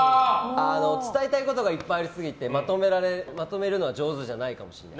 伝えたいことがありすぎてまとめるの上手じゃないかもしれない。